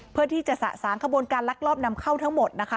เพื่อที่จะสะสางขบวนการลักลอบนำเข้าทั้งหมดนะคะ